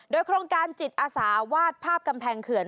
โดยโครงการจิตอาสาวาดภาพกำแพงเขื่อน